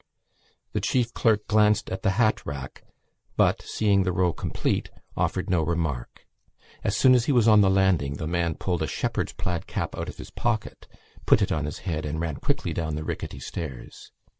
The chief clerk glanced at the hat rack but, seeing the row complete, offered no remark. As soon as he was on the landing the man pulled a shepherd's plaid cap out of his pocket, put it on his head and ran quickly down the rickety stairs.